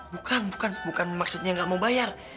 bukan bukan bukan maksudnya gak mau bayar